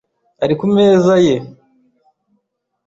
Ari ku meza ye .